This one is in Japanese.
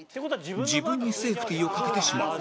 自分にセーフティーをかけてしまう